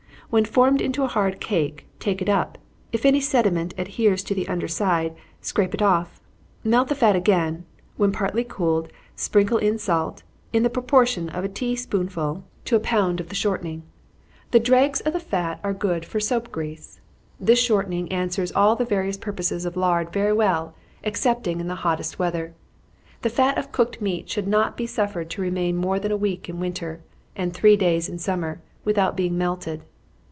When formed into a hard cake, take it up if any sediment adheres to the under side, scrape it off. Melt the fat again when partly cooled, sprinkle in salt, in the proportion of a tea spoonful to a pound of the shortening. The dregs of the fat are good for soap grease. This shortening answers all the various purposes of lard very well, excepting in the hottest weather. The fat of cooked meat should not be suffered to remain more than a week in winter, and three days in summer, without being melted.